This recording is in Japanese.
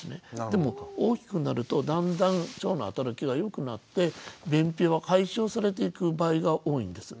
でも大きくなるとだんだん腸の働きがよくなって便秘は解消されていく場合が多いんです。